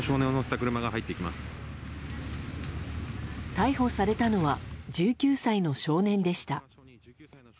逮捕されたのは１９歳の少年でした。